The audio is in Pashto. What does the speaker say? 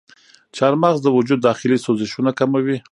چارمغز د وجود داخلي سوزشونه کموي.